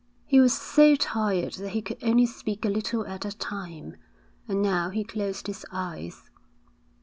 He was so tired that he could only speak a little at a time, and now he closed his eyes.